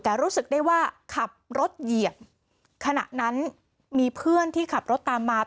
แต่รู้สึกได้ว่าขับรถเหยียบขณะนั้นมีเพื่อนที่ขับรถตามมา